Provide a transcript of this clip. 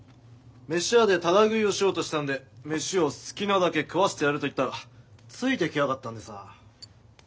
飯屋でただ食いをしようとしてたんで飯を好きなだけ食わせてやると言ったらついてきやがったんでさあ。